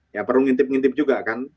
ya perlu ngintip ngintip juga kan